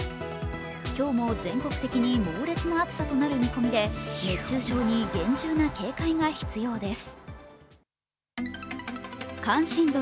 今日も全国的に猛烈な暑さとなる見込みで熱中症に厳重な警戒が必要です。